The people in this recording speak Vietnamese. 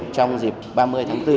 trong dịp ba mươi tháng bốn